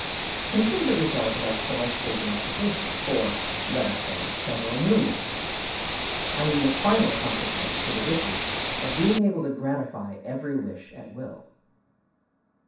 Consider the result of our celestial domestication for—let us say—several millions of years: I mean the final consequence, to the wishers, of being able to gratify every wish at will.